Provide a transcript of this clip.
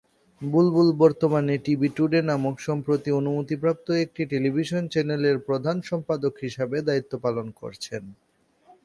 বুলবুল বর্তমানে ‘TV today’ নামক সম্প্রতি অনুমতিপ্রাপ্ত একটি টেলিভিশন চ্যানেলের প্রধান সম্পাদক হিসেবে দায়িত্ব পালন করছেন।